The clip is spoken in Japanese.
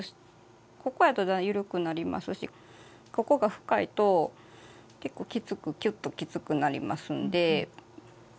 ここやと緩くなりますしここが深いと結構きつくきゅっときつくなりますんで。